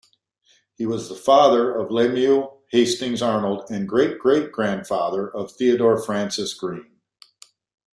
He was the father of Lemuel Hastings Arnold and great-great-grandfather of Theodore Francis Green.